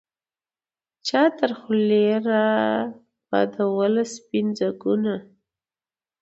چا تر خولې را بادوله سپین ځګونه